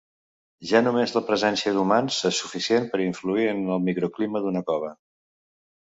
Ja només la presència d'humans és suficient per influir en el microclima d'una cova.